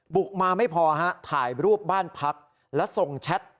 บุกมาไม่พอฮะถ่ายรูปบ้านพักและส่งแชท